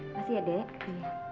masih ya dek